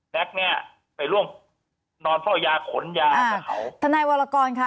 แม็กซ์เนี้ยไปล่วงนอนเพราะยาขนยาเขาอ่าคณะวรกรค่ะ